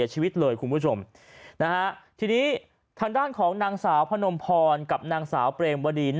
ชีวิตเลยคุณผู้ชมนะฮะทีนี้ทางด้านของนางสาวพนมพรกับนางสาวเปรมวดีน